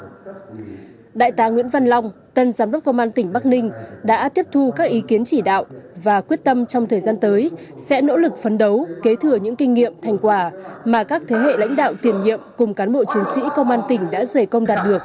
chúc mừng đại tá nguyễn văn long nhận nhiệm vụ mới thứ trưởng bộ công an tỉnh bắc ninh tiếp tục phát huy năng lực sở trường kinh nghiệm công tác